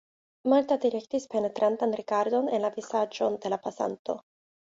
Marta direktis penetrantan rigardon en la vizaĝon de la pasanto.